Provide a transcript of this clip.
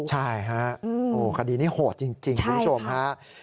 ใช่ฮะคดีนี้โหดจริงคุณผู้ชมฮะ